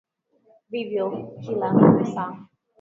Vivyo kila saa.